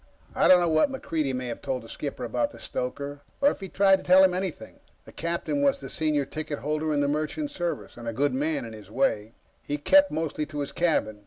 I don't know what MacReidie may have told the skipper about the stoker, or if he tried to tell him anything. The captain was the senior ticket holder in the Merchant Service, and a good man, in his day. He kept mostly to his cabin.